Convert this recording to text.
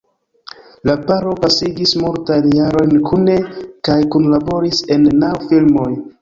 La paro pasigis multajn jarojn kune kaj kunlaboris en naŭ filmoj.